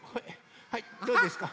はいどうですか？